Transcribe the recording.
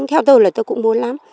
theo tôi là tôi cũng muốn lắm